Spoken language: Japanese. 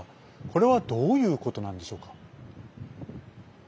これはどういうことなんでしょうか。